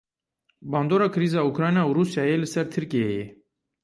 Bandora krîza Ukrayna û Rûsyayê li ser Tirkiyeyê.